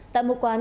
tại một quán